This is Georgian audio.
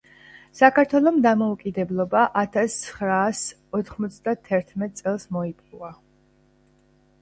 საქართველომ დამოუკიდებლობა ათასცხრაასოთხმოცდათერთმეტ წელს მოიპოვა.